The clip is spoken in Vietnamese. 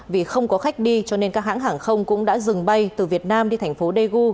vì không có khách đi cho nên các hãng hàng không cũng đã dừng bay từ việt nam đi thành phố daegu